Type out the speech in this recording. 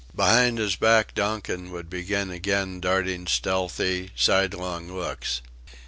Behind his back Donkin would begin again darting stealthy, sidelong looks.